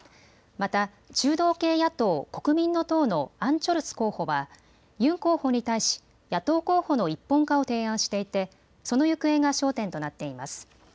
また中道系野党、国民の党のアン・チョルス候補はユン候補に対し野党候補の一本化を提案していてその行方が焦点となっています。